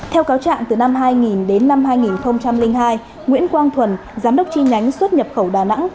theo cáo trạng từ năm hai nghìn đến năm hai nghìn hai nguyễn quang thuần giám đốc chi nhánh xuất nhập khẩu đà nẵng